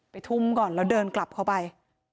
ทุ่มก่อนแล้วเดินกลับเข้าไป